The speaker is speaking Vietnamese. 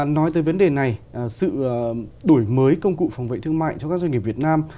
nói tới vấn đề này sự đổi mới công cụ phòng vệ thương mại cho các doanh nghiệp việt nam